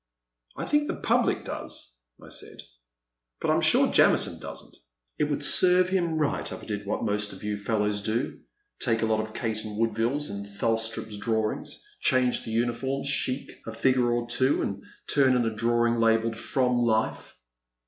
'' I think the public does," I said, but I 'm sure Jamison does n't. It would serve him right if I did what most of you fellows do — take a lot of Caton Woodville' s and Thulstrup's drawings, change the uniforms, ' chic ' a figure or two, and turn in a drawing labelled * from, life.'